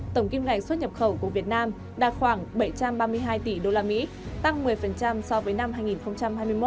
tổng kim ngạch xuất nhập khẩu của việt nam đạt khoảng bảy trăm ba mươi hai tỷ usd tăng một mươi so với năm hai nghìn hai mươi một